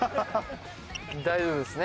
大丈夫ですね